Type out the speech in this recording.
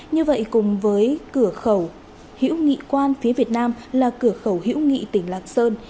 như vậy cùng với cửa khẩu hiễu nghị quan phía việt nam là cửa khẩu hữu nghị tỉnh lạc sơn